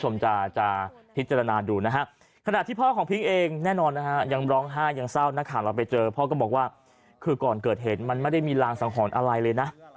มันก็ต้องแยกกัน